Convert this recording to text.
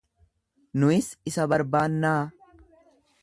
Nuyis isa barbaannaa.